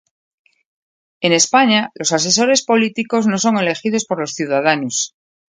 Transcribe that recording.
En España, los asesores políticos no son elegidos por los ciudadanos.